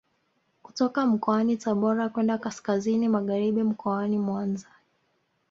Kutoka mkoani Tabora kwenda kaskazini magharibi mkoani Mwanza